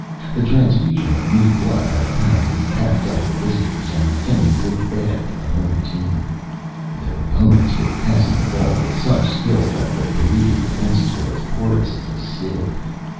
The transfusion of new blood had apparently pepped up the visitors, and things looked bad for the home team. Their opponents were passing the ball with such skill that the Periv ian defenses were as porous as a sieve.